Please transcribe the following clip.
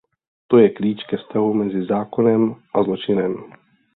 To je klíč ve vztahu mezi zákonem a zločinem.